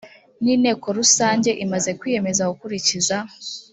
n inteko rusange imaze kwiyemeza gukurikiza